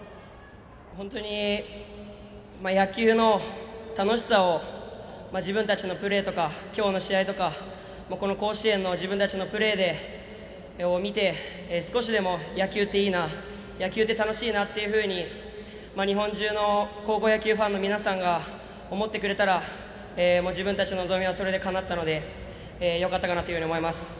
本当に野球の楽しさを自分たちのプレーとか今日の試合とか、この甲子園の自分たちのプレーを見て少しでも野球っていいな野球って楽しいなっていうふうに日本中の高校野球ファンの皆さんが思ってくれたら自分たちの望みはそれで、かなったのでよかったかなと思います。